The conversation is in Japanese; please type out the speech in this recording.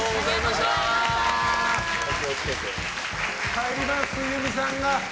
帰ります、冬美さんが。